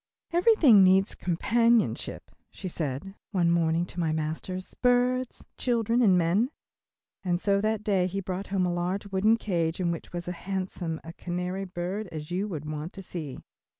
"Everything needs companionship," she said one morning to my master, "birds, children and men," and so that day he brought home a large wooden cage in which was as handsome a canary bird as you would want to see.